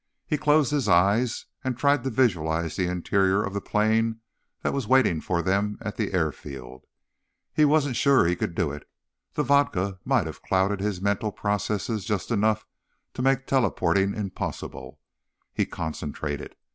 He closed his eyes and tried to visualize the interior of the plane that was waiting for them at the airfield. He wasn't sure he could do it; the vodka might have clouded his mental processes just enough to make teleporting impossible. He concentrated.